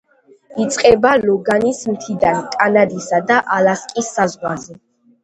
იწყება ლოგანის მთიდან, კანადისა და ალასკის საზღვარზე.